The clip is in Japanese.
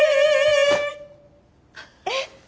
えっ？